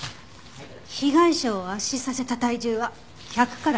被害者を圧死させた体重は１００から１２０キロ。